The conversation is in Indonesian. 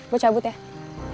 gue cabut ya